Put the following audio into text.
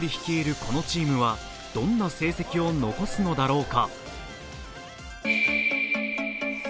このチームはどんな成績を残すのだろうか。